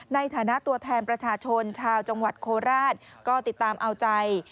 ในฐานะตัวแทนประชาชนชาวจังหวัดโคราชก็ติดตามเอาใจ